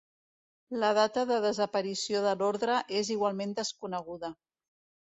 La data de desaparició de l'orde és igualment desconeguda.